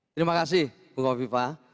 terima kasih bapak viva